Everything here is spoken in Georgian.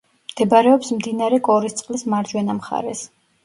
მდებარეობს მდინარე კორისწყლის მარჯვენა მხარეს.